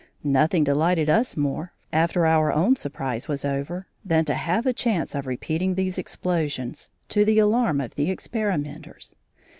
Nothing delighted us more, after our own surprise was over, than to have a chance of repeating these explosions, to the alarm of the experimenters.